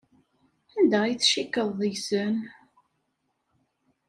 Anda ay tcikkeḍ deg-sen?